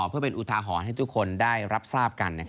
เพื่อเป็นอุทาหรณ์ให้ทุกคนได้รับทราบกัน